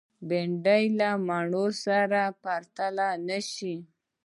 بېنډۍ له مڼو سره پرتله نشي